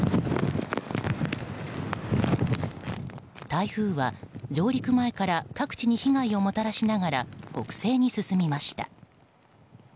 台風は上陸前から各地に被害をもたらしながら北西に進みました。